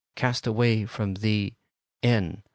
cast away from thee, N.